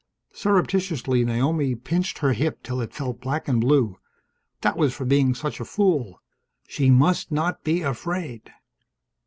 Surreptitiously Naomi pinched her hip till it felt black and blue. That was for being such a fool. She must not be afraid!